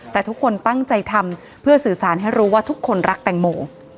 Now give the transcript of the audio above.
แต่ทุกคนตั้งใจทำเพื่อสื่อสารให้รู้ว่าทุกคนรักแตงโม